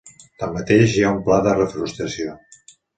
Tanmateix, hi ha un pla de reforestació.